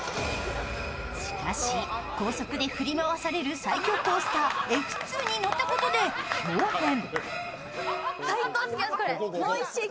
しかし、高速で振り回される最恐コースターＦ２に乗ったことで、ひょう変。